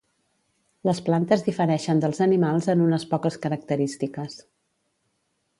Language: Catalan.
Les plantes difereixen dels animals en unes poques característiques.